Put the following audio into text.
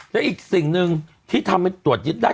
และอีกสิ่งหนึ่งที่ทำให้ตรวจยึดได้